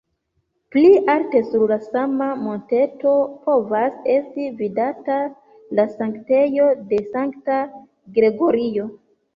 Pli alte sur la sama monteto povas esti vidata la sanktejo de sankta Gregorio.